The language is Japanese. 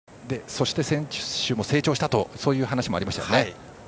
そして選手も成長したという話もありましたよね。